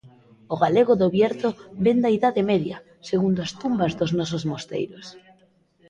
O galego do Bierzo vén da Idade Media, segundo as tumbas dos nosos mosteiros.